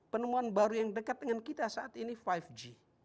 penemuan baru yang dekat dengan kita saat ini lima g